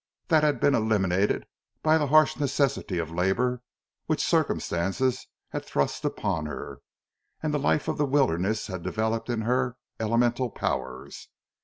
That had been eliminated by the harsh necessity of labour which circumstances had thrust upon her; and the life of the wilderness had developed in her elemental powers.